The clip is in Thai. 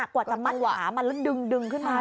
กว่าจะมัดขามันแล้วดึงขึ้นมา